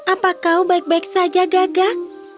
apa kau baik baik saja gaga